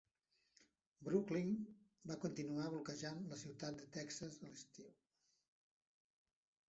"Brooklyn" va continuar bloquejant la ciutat de Texas a l'estiu.